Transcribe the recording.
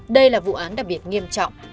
đây là vụ án đặc biệt nghiêm trọng